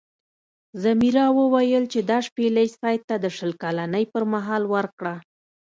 ځمیرا وویل چې دا شپیلۍ سید ته د شل کلنۍ پر مهال ورکړه.